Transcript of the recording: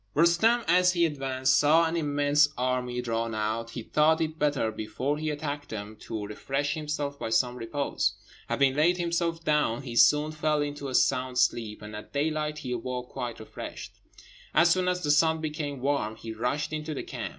Roostem, as he advanced, saw an immense army drawn out; he thought it better, before he attacked them, to refresh himself by some repose. Having laid himself down, he soon fell into a sound sleep, and at daylight he awoke quite refreshed. As soon as the sun became warm, he rushed into the camp.